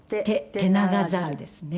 テナガザルですね。